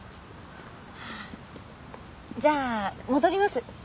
じゃあ戻ります